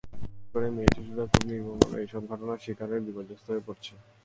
বিশেষ করে মেয়েশিশুরা খুবই নির্মমভাবে এসব ঘটনার শিকার হয়ে বিপর্যস্ত হয়ে পড়ছে।